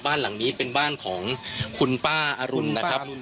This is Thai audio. บ้านหลังนี้เป็นบ้านของคุณป้าอรุณนะครับ